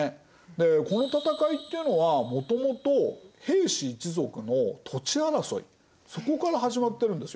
でこの戦いっていうのはもともと平氏一族の土地争いそこから始まってるんですよ。